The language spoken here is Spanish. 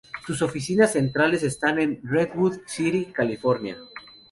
Sus oficinas centrales están en Redwood City, California.